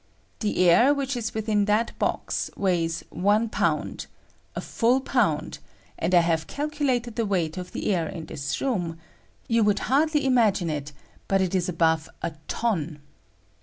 The air which is within that bos weighs one pound — a full pound ; and I have calculated the weight of the air in this room: you would hardly imagine it, but it is above a ton.